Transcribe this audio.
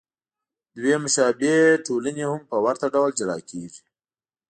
دوې مشابه ټولنې هم په ورته ډول جلا کېږي.